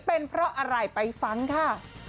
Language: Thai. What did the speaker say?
เป็นเพราะอะไรไปฟังค่ะ